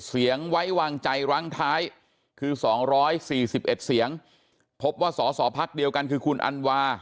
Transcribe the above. เสียงไว้วางใจรั้งท้ายคือ๒๔๑เสียงพบว่าสอสอพักเดียวกันคือคุณอันวา